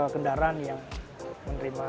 kendaraan yang menerima